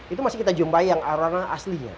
itu masih kita jumpai yang arona aslinya